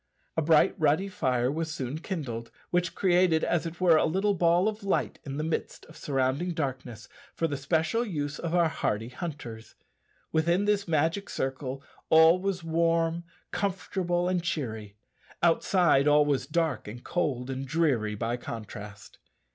A bright ruddy fire was soon kindled, which created, as it were, a little ball of light in the midst of surrounding darkness for the special use of our hardy hunters. Within this magic circle all was warm, comfortable, and cheery; outside all was dark, and cold, and dreary by contrast.